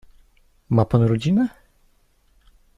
"Ma pan rodzinę?"